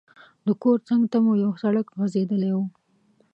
د کور څنګ ته مو یو سړک غځېدلی وو.